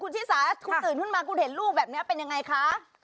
ชิสาคุณตื่นขึ้นมาคุณเห็นลูกแบบนี้เป็นยังไงคะ